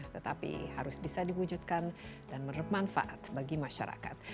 tetapi harus bisa diwujudkan dan bermanfaat bagi masyarakat